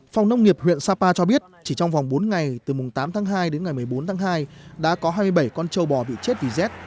phòng nông nghiệp huyện sapa cho biết chỉ trong vòng bốn ngày từ mùng tám tháng hai đến ngày một mươi bốn tháng hai đã có hai mươi bảy con châu bò bị chết vì rét